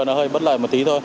nó hơi bất lợi một tí thôi